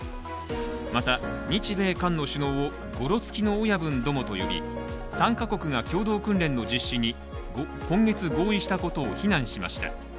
また、日米韓の首脳をごろつきの親分どもと呼び３か国が共同訓練の実施に今月合意したことを非難しました。